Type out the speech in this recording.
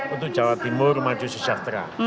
untuk jawa timur maju sejahtera